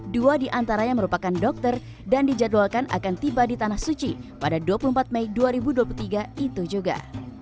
dua diantaranya merupakan dokter dan dijadwalkan akan tiba di tanah suci pada dua puluh empat mei dua ribu dua puluh tiga itu juga